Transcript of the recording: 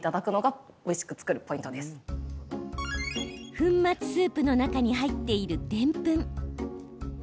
粉末スープの中に入っているでんぷん。